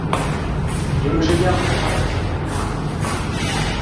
Ён жа яўна лаяўся там матам!